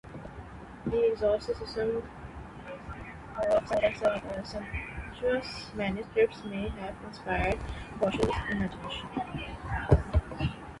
The exoticism of Cyriac's sumptuous manuscripts may have inspired Bosch's imagination.